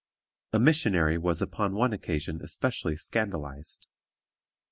A missionary was upon one occasion especially scandalized.